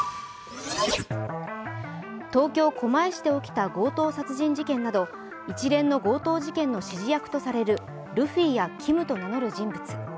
東京・狛江市で起きた強盗殺人事件など、一連の強盗事件の指示役とされるルフィやＫｉｍと名乗る人物。